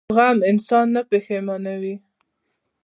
زغم انسان نه پښېمانوي.